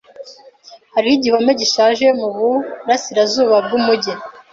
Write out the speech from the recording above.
Hariho igihome gishaje muburasirazuba bwumujyi.